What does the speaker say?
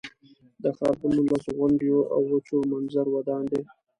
دا ښار پر نولس غونډیو او وچو منظرو ودان دی.